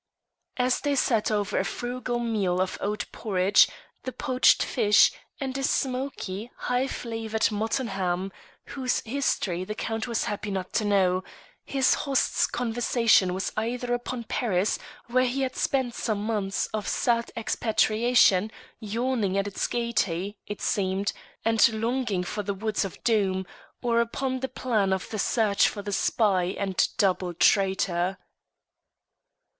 As they sat over a frugal meal of oat porridge, the poached fish, and a smoky, high flavoured mutton ham, whose history the Count was happy not to know, his host's conversation was either upon Paris, where he had spent some months of sad expatriation, yawning at its gaiety (it seemed) and longing for the woods of Doom; or upon the plan of the search for the spy and double traitor.